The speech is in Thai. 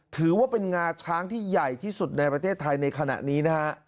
ถือว่าเป็นงาช้างที่ใหญ่ที่สุดในประเทศไทยในขณะนี้นะฮะ